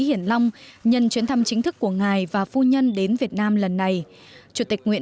hiển long nhân chuyến thăm chính thức của ngài và phu nhân đến việt nam lần này chủ tịch nguyễn